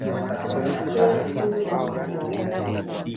Yeye kufuzu kwa mamlaka.